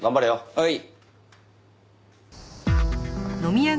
はい。